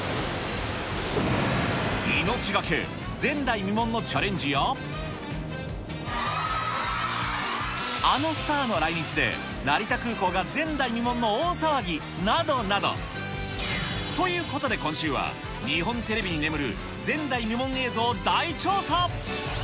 命懸け、前代未聞のチャレンジや、あのスターの来日で、成田空港が前代未聞の大騒ぎなどなど、ということで、今週は、日本テレビに眠る前代未聞映像を大調査！